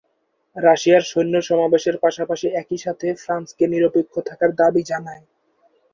রাশিয়ায় সৈন্য সমাবেশের পাশাপাশি একইসাথে ফ্রান্সকে নিরপেক্ষ থাকার দাবি জানায়।